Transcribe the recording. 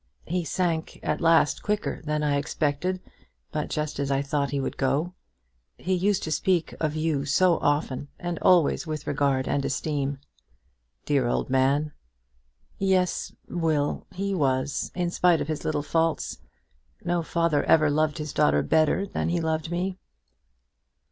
He sank at last quicker than I expected, but just as I thought he would go. He used to speak of you so often, and always with regard and esteem!" "Dear old man!" "Yes, Will; he was, in spite of his little faults. No father ever loved his daughter better than he loved me."